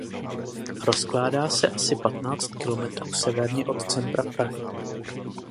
Rozkládá se asi patnáct kilometrů severně od centra Prahy.